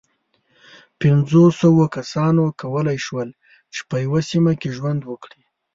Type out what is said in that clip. پينځو سوو کسانو کولی شول، چې په یوه سیمه کې ژوند وکړي.